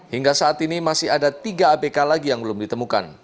hingga saat ini masih ada tiga abk lagi yang belum ditemukan